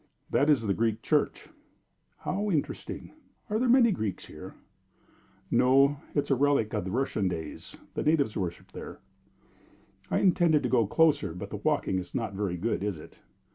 "That is the Greek church." "How interesting! Are there many Greeks here?" "No. It is a relic of the Russian days. The natives worship there." "I intended to go closer; but the walking is not very good, is it?"